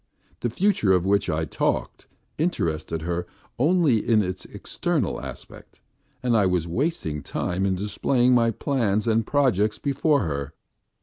The future of which I talked interested her only in its external aspect and I was wasting time in displaying my plans and projects before her.